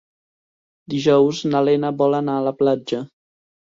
Dijous na Lena vol anar a la platja.